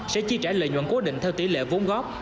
sẽ chi trả lợi nhuận cố định theo tỷ lệ vốn góp